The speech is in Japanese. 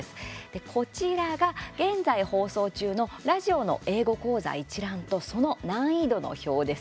こちらが現在、放送中のラジオの英語講座一覧とその難易度の表です。